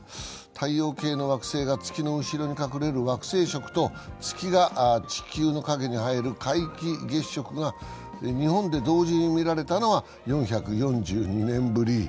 太陽系の惑星が月の後ろに隠れる惑星食と月が地球の影に入る皆既月食が日本で同時に見られたのは４４２年ぶり。